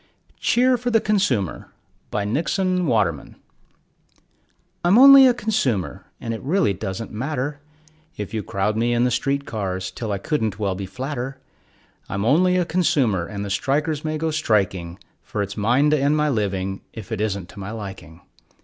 CHEER FOR THE CONSUMER BY NIXON WATERMAN I'm only a consumer, and it really doesn't matter If you crowd me in the street cars till I couldn't well be flatter; I'm only a consumer, and the strikers may go striking, For it's mine to end my living if it isn't to my liking.